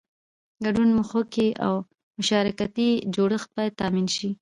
ګډون مخوکی او مشارکتي جوړښت باید تامین شي.